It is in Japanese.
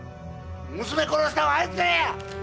娘殺したんはあいつらや！